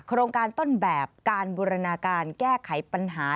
โครงการต้นแบบการบูรณาการแก้ไขปัญหา